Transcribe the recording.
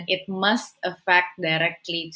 itu harus menyebabkan kekuatan